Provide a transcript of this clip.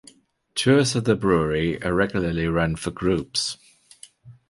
Tours of the brewery are regularly run for groups.